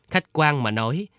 khách quan mà nói